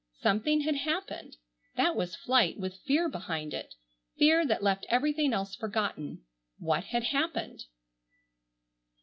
Something had happened! That was flight with fear behind it, fear that left everything else forgotten. What had happened?